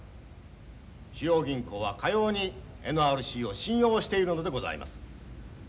主要銀行はかようにＮＲＣを信用しているのでございます。